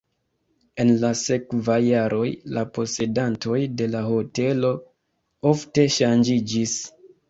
En la sekvaj jaroj la posedantoj de la hotelo ofte ŝanĝiĝis.